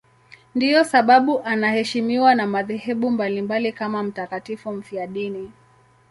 Ndiyo sababu anaheshimiwa na madhehebu mbalimbali kama mtakatifu mfiadini.